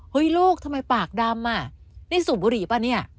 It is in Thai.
ลูกทำไมปากดำอ่ะนี่สูบบุหรี่ป่ะเนี่ย